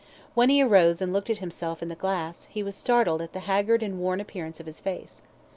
When he arose and looked at himself in the glass, he was startled at the haggard and worn appearance of his face.